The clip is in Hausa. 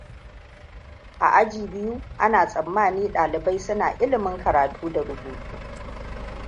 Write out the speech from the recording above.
A aji biyu, ana tsammani dalibai su na ilimin karatu da rubutu.